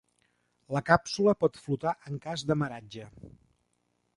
La càpsula pot flotar en cas d'amaratge.